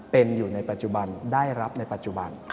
เป็นอยู่ในปัจจุบันได้รับในปัจจุบัน